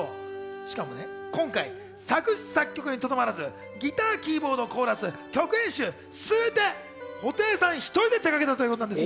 しかもね、今回、作詞作曲にとどまらず、ギター、キーボード、コーラス、曲編集、全て布袋さん１人で手がけたということなんです。